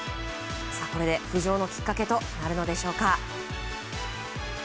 これで浮上のきっかけとなるのでしょうか。